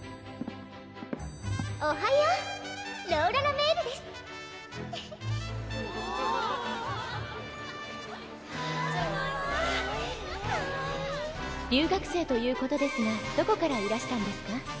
おはようローラ・ラメールですおぉかわいいねかわいい留学生ということですがどこからいらしたんですか？